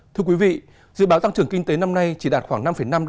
thưa quý vị dự báo tăng trưởng kinh tế năm nay chỉ đạt khoảng năm năm